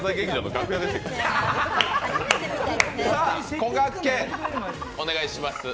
こがけん、お願いします。